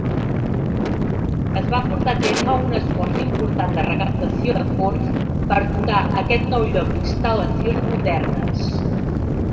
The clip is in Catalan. Es va portar a terme un esforç important de recaptació de fons per dotar aquest nou lloc d'instal·lacions modernes.